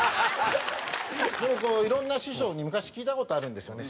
僕もいろんな師匠に昔聞いた事あるんですよね。